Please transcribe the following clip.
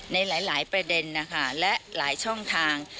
ในหลายประเด็นนะคะและหลายช่องทาง